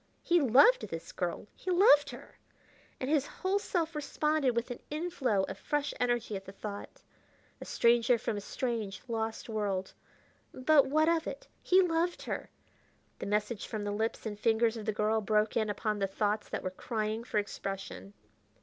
He loved this girl! he loved her! and his whole self responded with an inflow of fresh energy at the thought. A stranger from a strange, lost world! but what of it? he loved her!... The message from the lips and fingers of the girl broke in upon the thoughts that were crying for expression.